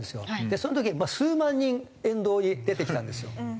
その時に数万人沿道に出てきたんですよはい。